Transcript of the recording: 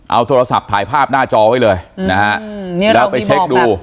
เอาโทรศัพท์ถ่ายภาพหน้าจอไว้เลยนะฮะแล้วไปเช็คดู